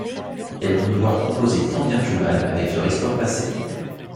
Et vont devoir composer tant bien que mal avec leur histoire passée.